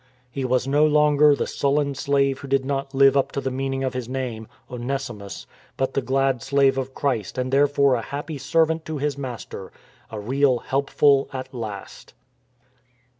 He was no longer the sullen slave who did not live up to the meaning of his name, Onesimus, but the glad slave of Christ and therefore a happy servant to his master — a real " help ful " at last